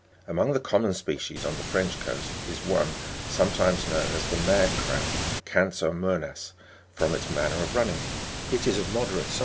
4. Among the common species, on the French coast, is one, sometimes known as the mad crab, Cancer mcBnas, from its manner of running ; it is of moderate size, and the carapace is Fig.